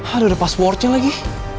ada udah password nya lagi